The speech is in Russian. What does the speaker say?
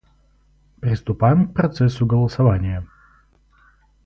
Приступаем к процессу голосования.